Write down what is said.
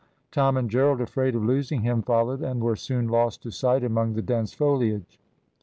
Tom and Gerald, afraid of losing him, followed and were soon lost to sight among the dense foliage.